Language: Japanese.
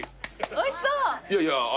おいしそう。